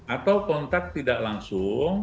atau kontak tidak langsung